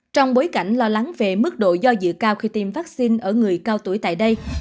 trong bối cảnh lo lắng về mức độ do dự cao khi tiêm vaccine ở người cao tuổi tại đây